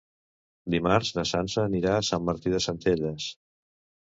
Dimarts na Sança anirà a Sant Martí de Centelles.